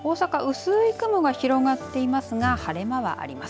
薄い雲が広がっていますが晴れ間はあります。